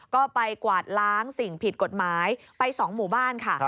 ก็ไปกวาดล้างสิ่งผิดกฎหมายไป๒หมู่บ้านค่ะ